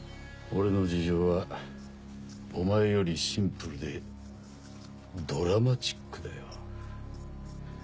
俺の事情はお前よりシンプルでドラマチックだよ。